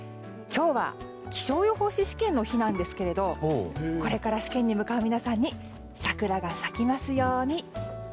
今日は気象予報士試験の日なんですけどこれから試験に向かう皆さんに桜が咲きますように。